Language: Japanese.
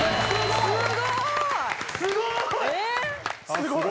すごい！